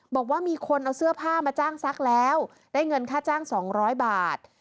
บอกว่ามีคนเอาเสื้อผ้ามาจ้างซักแล้วได้เงินค่าจ้าง๒๐๐บาท